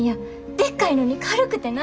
でっかいのに軽くてな。